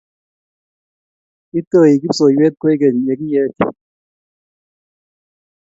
itei kipsoiwe kwekeny ya kiech